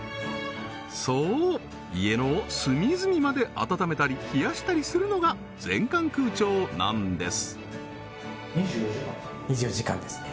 そう家の隅々まで暖めたり冷やしたりするのが全館空調なんです２４時間？